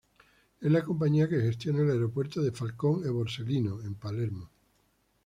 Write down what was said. Es la compañía que gestiona el aeropuerto de ""Falcone e Borsellino"" en Palermo.